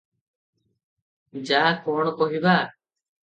ଯା- କଣ କହିବା ।